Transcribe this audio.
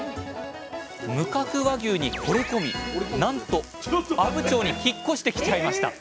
無角和牛にほれ込みなんと阿武町に引っ越してきちゃいましたえ